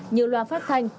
nhiều loa phát thanh